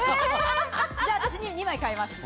じゃあ私２枚買います。